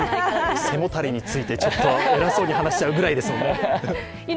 背もたれについてちょっと偉そうに話しちゃうぐらいですもんね。